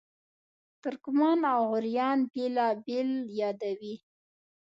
ترکمنان او غوریان بېل بېل یادوي.